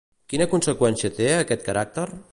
Quina conseqüència té aquest caràcter?